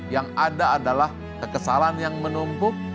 yang ada adalah kekesalan yang menumpuk